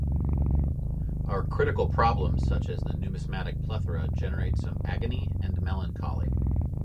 Our critical problems such as the numismatic plethora generate some agony and melancholy.